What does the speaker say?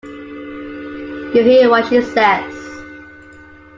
You hear what she says.